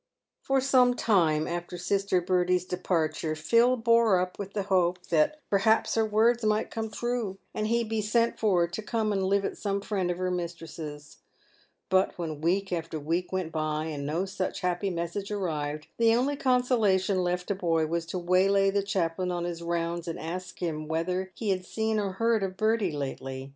Por some time after sister Bertie's departure, Phil bore up with the hope that perhaps her words might come true, and he be sent for to come and live at some friend of her mistress's ; but when week after week went by and no such happy message arrived, the only con solation left the boy was to waylay the chaplain on his rounds and ask him whether he had seen or heard of Bertie lately.